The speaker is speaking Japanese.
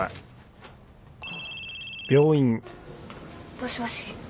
もしもし？